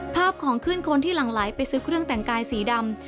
ภาพของขึ้นคนที่หลั่งไหลไปซื้อเครื่องแต่งกายสีดำ